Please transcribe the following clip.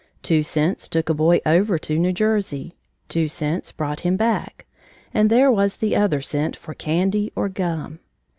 Two cents took a boy over to New Jersey, two cents brought him back, and there was the other cent for candy or gum.